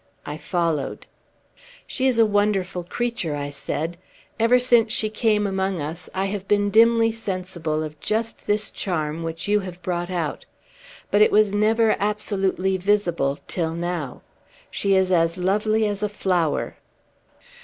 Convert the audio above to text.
I followed. "She is a wonderful creature," I said. "Ever since she came among us, I have been dimly sensible of just this charm which you have brought out. But it was never absolutely visible till now. She is as lovely as a flower!"